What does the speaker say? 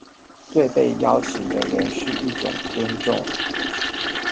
對被邀請的人是一種尊重